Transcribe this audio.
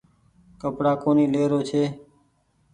ڪپڙآ ڪونيٚ لي رو ڇي۔